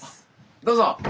どうぞ。